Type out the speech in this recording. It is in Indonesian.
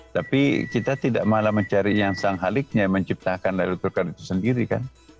tapi kita tidak malah mencari yang sang haliknya menciptakan laylatul quran itu sendiri kan